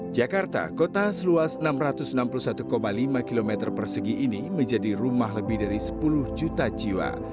jakarta kota seluas enam ratus enam puluh satu lima km persegi ini menjadi rumah lebih dari sepuluh juta jiwa